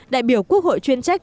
đại biểu quốc hội chuyên trách